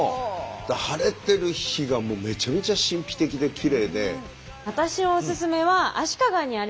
晴れてる日がもうめちゃめちゃ神秘的できれいで。